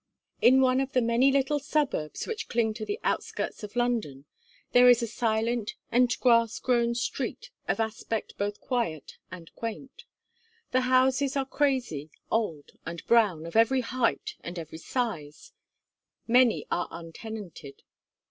In one of the many little suburbs which cling to the outskirts of London, there is a silent and grass grown street, of aspect both quiet and quaint. The houses are crazy, old, and brown, of every height and every size; many are untenanted.